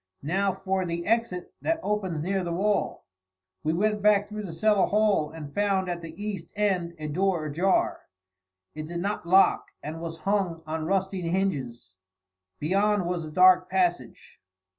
Now for the exit that opens near the well." We went back through the cellar hall and found at the east end a door ajar. It did not lock, and was hung on rusty hinges. Beyond was a dark passage.